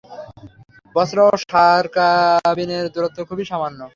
বসরা ও শারকাবীনের দূরত্ব খুবই সামান্য।